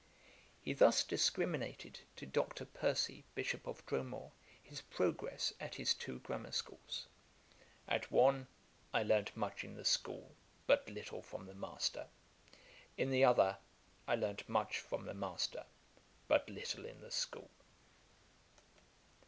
He thus discriminated, to Dr. Percy, Bishop of Dromore, his progress at his two grammar schools. 'At one, I learnt much in the school, but little from the master; in the other, I learnt much from the master, but little in the school.'